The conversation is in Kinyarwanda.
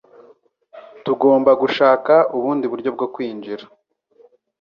Tugomba gushaka ubundi buryo bwo kwinjira